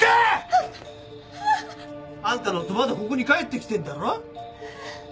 あっ！あんたの夫まだここに帰ってきてんだろ？